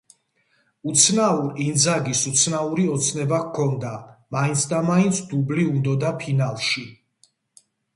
უცნაურ ინძაგის უცნაური ოცნება ჰქონდა, მაინცადამაინც დუბლი უნდოდა ფინალში.